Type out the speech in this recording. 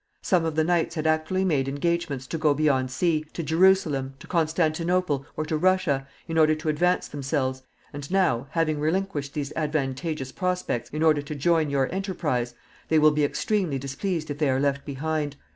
Some of the knights had actually made engagements to go beyond sea, to Jerusalem, to Constantinople, or to Russia, in order to advance themselves, and now, having relinquished these advantageous prospects in order to join your enterprise, they will be extremely displeased if they are left behind.